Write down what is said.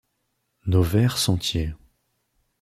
Nos verts sentiers